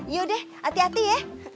yaudah hati hati ya